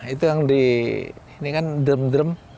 itu yang di ini kan derm derm